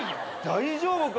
大丈夫か？